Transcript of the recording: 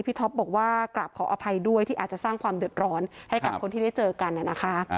ท็อปบอกว่ากราบขออภัยด้วยที่อาจจะสร้างความเดือดร้อนให้กับคนที่ได้เจอกันนะคะ